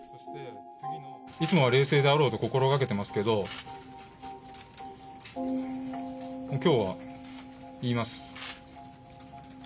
いつもは冷静であろうと心がけてますけど、きょうは言います。